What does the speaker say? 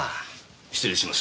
失礼します。